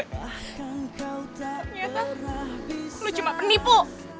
ternyata lo cuma penipu